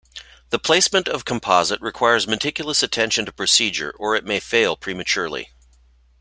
The placement of composite requires meticulous attention to procedure or it may fail prematurely.